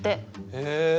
へえ。